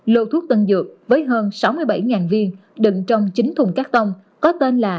lô thuốc tân dược với hơn sáu mươi bảy viên đựng trong chín thùng cắt tông có tên là